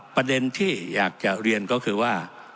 ประเด็นที่อยากจะเรียนก็คือว่า